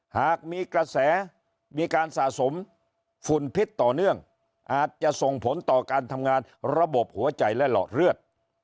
หากมีกระแสมีการสะสมฝุ่นพิษต่อเนื่องอาจจะส่งผลต่อการทำงานระบบหัวใจและหลอดเลือด